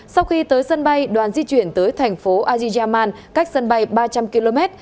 sau khi tới sân bay đoàn di chuyển tới thành phố ajiyaman cách sân bay ba trăm linh km